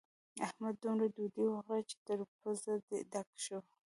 احمد دومره ډوډۍ وخوړه چې تر پزې ډک شو.